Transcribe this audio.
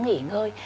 cố nghỉ ngơi